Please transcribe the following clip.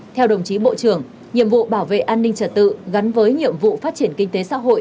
theo đồng chí bộ trưởng nhiệm vụ bảo vệ an ninh trật tự gắn với nhiệm vụ phát triển kinh tế xã hội